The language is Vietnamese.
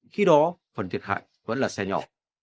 khi đó phần thiệt hại vẫn là xe nhỏ